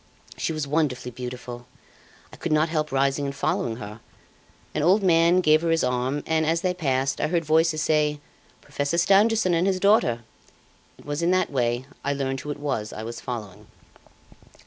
She was wonderfully beautiful. I could not help rising and following her. An old man gave her his arm and, as they passed, I heard voices say: 'Professor Stangerson and his daughter.' It was in that way I learned who it was I was following.